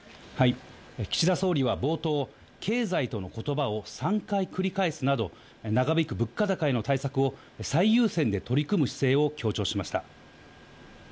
岸田総理は冒頭、経済とのことばを３回繰り返すなど、長引く物価高への対策を最優先で取り組む姿勢を強調しました。